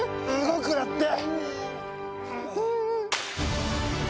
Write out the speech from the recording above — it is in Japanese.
動くなって！